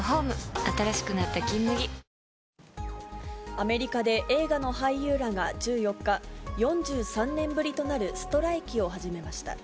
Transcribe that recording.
アメリカで映画の俳優らが１４日、４３年ぶりとなるストライキを始めました。